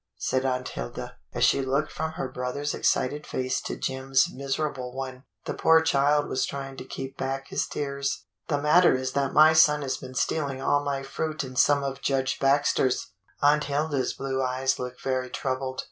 ^" said Aunt Hilda, as she looked from her brother's excited face to Jim's miserable one. The poor child was trying to keep back his tears. THE HOME COMING nSy "The matter is that my son has been stealing all my fruit and some of Judge Baxter's." Aunt Hilda's blue eyes looked very troubled.